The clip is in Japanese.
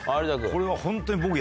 これはホントに。